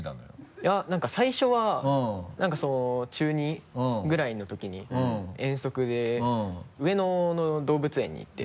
いや何か最初は中２ぐらいのときに遠足で上野の動物園に行って。